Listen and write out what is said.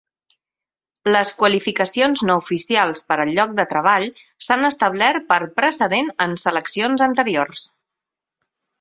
Les qualificacions no oficials per al lloc de treball s'han establert per precedent en seleccions anteriors.